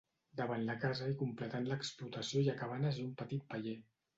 Davant la casa i completant l'explotació hi ha cabanes i un petit paller.